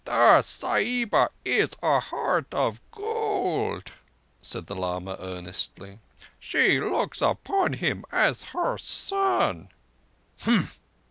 "The Sahiba is a heart of gold," said the lama earnestly. "She looks upon him as her son."